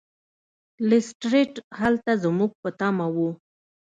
لیسټرډ هلته زموږ په تمه و.